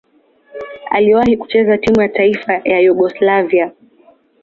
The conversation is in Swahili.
Aliwahi kucheza timu ya taifa ya Yugoslavia.